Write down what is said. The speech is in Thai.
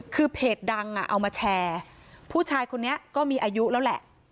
คือเพจดังอ่ะเอามาแชร์ผู้ชายคนนี้ก็มีอายุแล้วแหละ